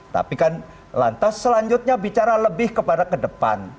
tapi kan lantas selanjutnya bicara lebih kepada ke depan